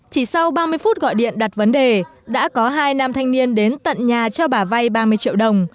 chỉ sau ba mươi phút gọi điện đặt vấn đề đã có hai nam thanh niên đến tận nhà cho bà vay ba mươi triệu đồng